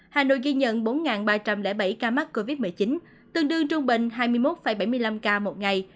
hà nội ghi nhận bốn ba trăm linh bảy ca mắc covid một mươi chín tương đương trung bình hai mươi một bảy mươi năm ca một ngày